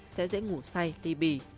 sẽ dễ ngủ say đi bì